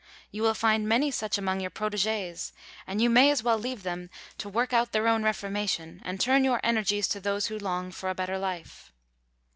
You will find many such among your protégées, and you may as well leave them to work out their own reformation, and turn your energies to those who long for a better life.